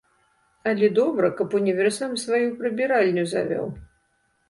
Але добра, каб універсам сваю прыбіральню завёў.